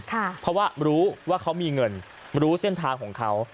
เพราะว่ารู้ว่าเขามีเงินรู้เส้นทางของเขา